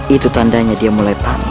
itu tandanya dia mulai panik